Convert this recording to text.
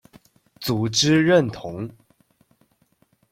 组织认同（